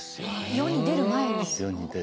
世に出る前。